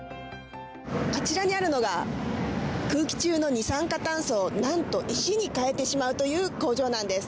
あちらにあるのが空気中の二酸化炭素を何と、石に変えてしまうという工場なんです。